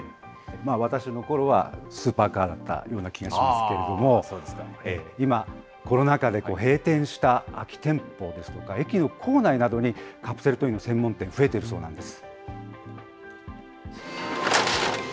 私のころはスーパーカーだったような気がしますけれども、今、コロナ禍で閉店した空き店舗ですとか駅の構内などに、カプセルトイの専門店、増えているそうなんです。